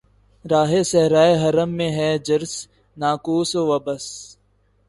راہِ صحرائے حرم میں ہے جرس‘ ناقوس و بس